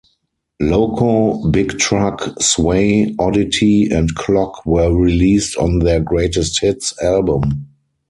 "Loco", "Big Truck", "Sway", "Oddity", and "Clock" were released on their greatest hits album.